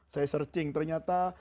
saya searching ternyata